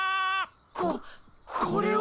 こっこれは！